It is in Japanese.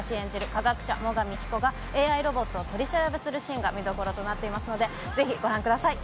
科学者、最上友紀子が、ＡＩロボットを取り調べするシーンが見どころとなっていますので、ぜひ、ご覧ください。